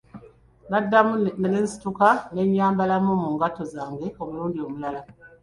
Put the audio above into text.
Naddamu ne nsituka ne nyambalamu mu ngatto zange omulundi omulala.